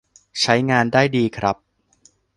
ใช้งานได้ดีครับ